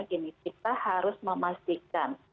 gini kita harus memastikan